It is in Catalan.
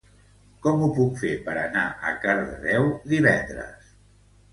Com ho puc fer per anar a Cardedeu divendres?